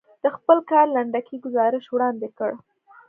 د خپل کار لنډکی ګزارش وړاندې کړ.